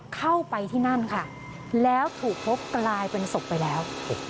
เข้าไปที่นั่นค่ะแล้วถูกพบกลายเป็นศพไปแล้ว